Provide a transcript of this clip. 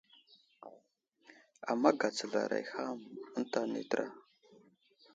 Ama gatsalaray ham eŋta nay təra.